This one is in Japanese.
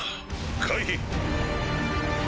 回避。